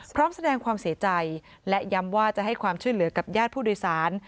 พร้อมแสดงความเสียใจและย้ำว่าจะให้ความช่วยเหลือกับญาติผู้โดยสาร